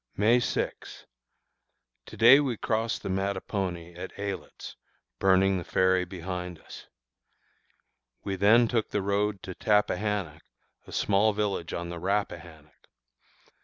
May 6. To day we crossed the Mattapony, at Aylett's, burning the ferry behind us. We then took the road to Tappahannock, a small village on the Rappahannock.